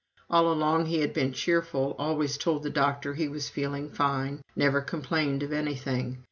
(All along he had been cheerful always told the doctor he was "feeling fine"; never complained of anything.